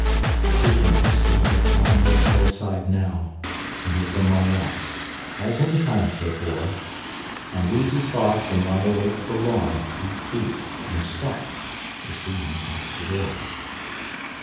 He cannot sleep upon his hillside now. He is among us:—as in times before! And we who toss and lie awake for long, Breathe deep, and start, to see him pass the door.